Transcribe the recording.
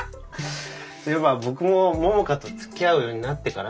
そういえば僕も桃香とつきあうようになってからだな。